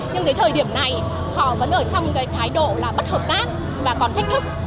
nhưng cái thời điểm này họ vẫn ở trong cái thái độ là bất hợp tác và còn thách thức